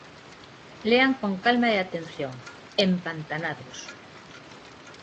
Lean con calma e atención "Empantanados".